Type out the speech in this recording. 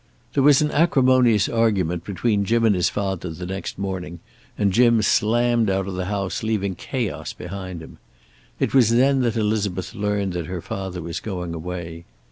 There was an acrimonious argument between Jim and his father the next morning, and Jim slammed out of the house, leaving chaos behind him. It was then that Elizabeth learned that her father was going away.